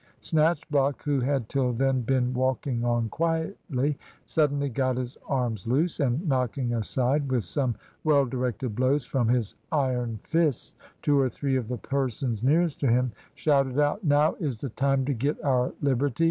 Snatchblock, who had till then been walking on quietly, suddenly got his arms loose, and knocking aside, with some well directed blows from his iron fists, two or three of the persons nearest to him, shouted out "Now is the time to get our liberty!